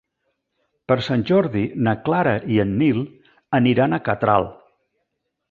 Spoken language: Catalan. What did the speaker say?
Per Sant Jordi na Clara i en Nil aniran a Catral.